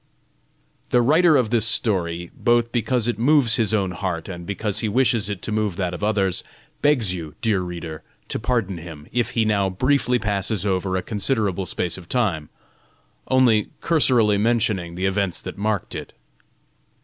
The writer of this story, both because it moves his own heart, and because he wishes it to move that of others, begs you, dear reader, to pardon him, if he now briefly passes over a considerable space of time, only cursorily mentioning the events that marked it.